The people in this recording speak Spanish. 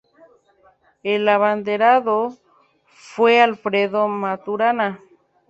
El abanderado fue Alfredo Maturana.